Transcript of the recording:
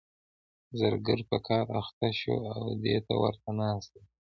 زرګر په کار اخته شو او دی ورته ناست دی.